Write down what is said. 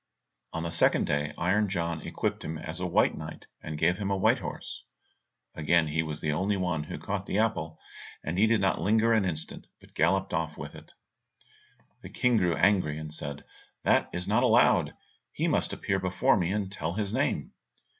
On the second day Iron John equipped him as a white knight, and gave him a white horse. Again he was the only one who caught the apple, and he did not linger an instant, but galloped off with it. The King grew angry, and said, "That is not allowed; he must appear before me and tell his name."